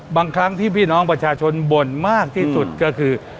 บางครั้งที่พี่น้องประชาชนบ่นมากที่สุดก็คือ